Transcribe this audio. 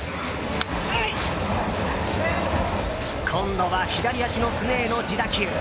今度は左足のすねへの自打球。